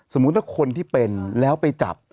สมมุติถ้าคนที่เป็นแล้วไปจับ